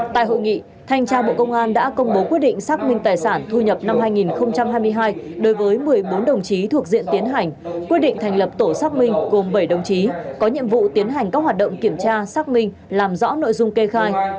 tại hội nghị thanh tra bộ công an đã công bố quyết định xác minh tài sản thu nhập năm hai nghìn hai mươi hai đối với một mươi bốn đồng chí thuộc diện tiến hành quyết định thành lập tổ xác minh gồm bảy đồng chí có nhiệm vụ tiến hành các hoạt động kiểm tra xác minh làm rõ nội dung kê khai